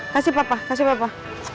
kasih papa kasih papa